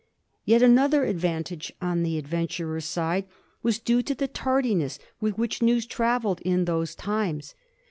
Yet anotner advantage on the advent urer's side was due to the tardiness with which news trav elled in those times.